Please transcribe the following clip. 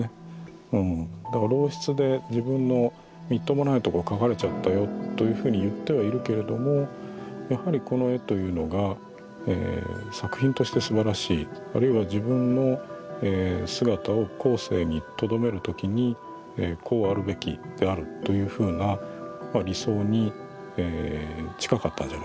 だから陋質で自分のみっともないとこ描かれちゃったよというふうに言ってはいるけれどもやはりこの絵というのがえ作品としてすばらしいあるいは自分の姿を後世にとどめるときにこうあるべきであるというふうな理想に近かったんじゃないでしょうかね。